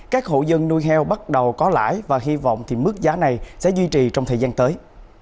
các hộ dân nuôi heo bắt đầu có lãi và hy vọng thì mức giá này sẽ duy trì trong thời gian tới